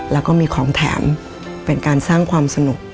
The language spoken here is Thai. แล้วก็มีของแถมเป็นการสร้างความสนุก